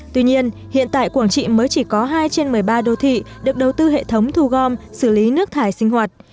tuy nhiên hiện tại quảng trị mới chỉ có hai trên một mươi ba đô thị được đầu tư hệ thống thu gom xử lý nước thải sinh hoạt